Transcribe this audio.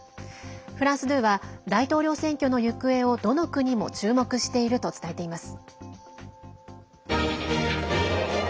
フランス２は大統領選挙の行方をどの国も注目していると伝えています。